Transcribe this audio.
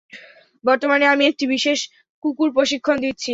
বর্তমানে আমি একটি বিশেষ কুকুর প্রশিক্ষণ দিচ্ছি।